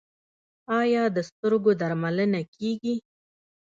آیا د سترګو درملنه کیږي؟